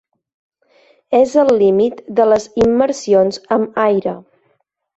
És el límit de les immersions amb aire.